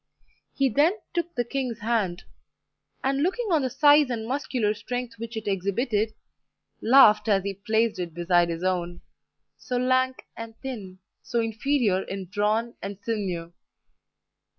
He then took the king's hand, and looking on the size and muscular strength which it exhibited, laughed as he placed it beside his own, so lank and thin, so inferior in brawn and sinew.